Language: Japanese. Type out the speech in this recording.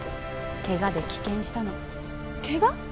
ケガで棄権したのケガ！？